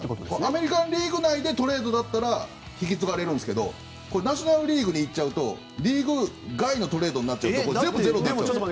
アメリカン・リーグ内でトレードだったら引き継がれますがナショナル・リーグに行くとリーグ外のトレードになって全部ゼロになっちゃう。